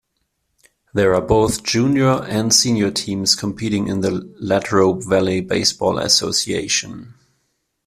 There are both junior and senior teams competing in the Latrobe Valley Baseball Association.